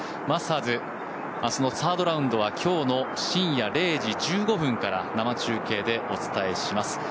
マスターズ、あすのサードラウンドは、きょうの深夜０時１５分から生中継でお伝えします。